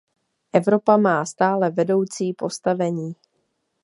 Evropa má stále vedoucí postavení.